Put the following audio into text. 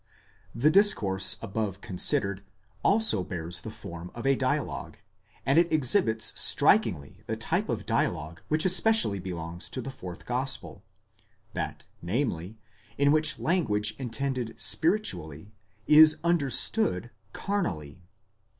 ® The discourse above considered, also bears the form of a dialogue, and it exhibits strikingly the type of dialogue which especially belongs to the fourth gospel: that, namely, in which language intended spiritually, is understood carnally.